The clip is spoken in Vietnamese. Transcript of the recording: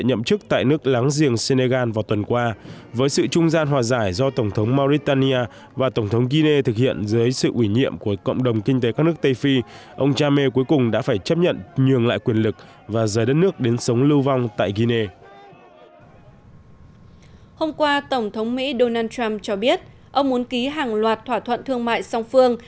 hôm qua tổng thống mỹ donald trump cho biết ông muốn ký hàng loạt thỏa thuận thương mại song phương